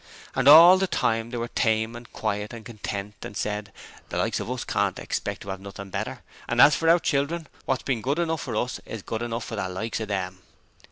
And all the time they were tame and quiet and content and said, 'The likes of us can't expect to 'ave nothing better, and as for our children wot's been good enough for us is good enough for the likes of them.'